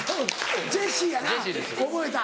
ジェシーやな覚えた。